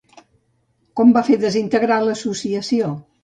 Com va fer desintegrar l'associació?